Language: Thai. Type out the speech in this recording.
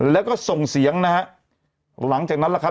แล้วก็ส่งเสียงนะฮะหลังจากนั้นล่ะครับ